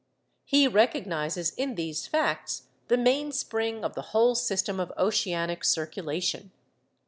He recognises in these facts the mainspring of the whole system of oceanic circulation.